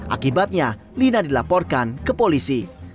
akibatnya lina dilaporkan ke polisi